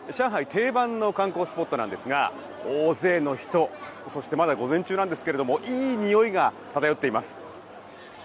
定番の観光スポットなんですが大勢の人そして、まだ午前中なんですがいいにおいが漂っています。